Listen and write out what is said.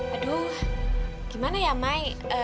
aduh gimana ya mai